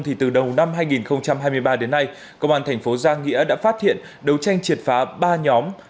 từ đầu năm hai nghìn hai mươi ba đến nay công an thành phố giang nghĩa đã phát hiện đấu tranh triệt phá ba nhóm